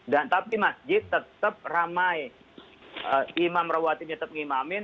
dan tapi masjid tetap ramai imam rawatinya tetap mengimamin